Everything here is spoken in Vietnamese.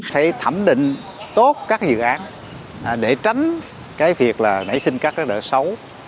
phải thẩm định tốt các dự án để tránh cái việc là nảy sinh các đỡ xấu